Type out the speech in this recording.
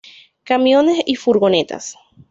Camiones y furgonetas.